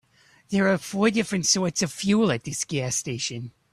There are four different sorts of fuel at this gas station.